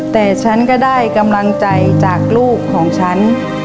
แต่ฉันก็ได้กำลังใจจากลูกของฉัน